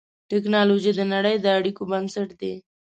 ټکنالوجي د نړۍ د اړیکو بنسټ دی.